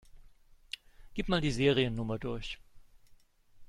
Gib mal die Seriennummer durch.